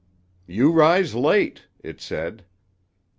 "You rise late," it said.